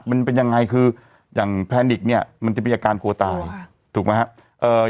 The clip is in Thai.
มันเป็นยังไงคืออย่างแพนิกเนี่ยมันจะมีอาการกลัวตายถูกไหมครับ